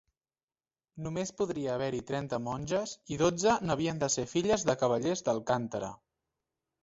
Només podria haver-hi trenta monges i dotze n'havien de ser filles de cavallers d'Alcántara.